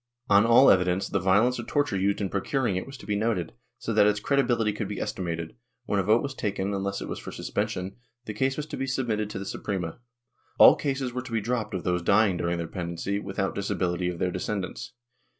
On all evidence, the violence or torture used in procuring it was to be noted, so that its credibility could be estimated; when a vote was taken, unless it was for suspension, the case was to be submitted to the Suprema. All cases were to be dropped of those dying during their pendency, without disability of their descendants.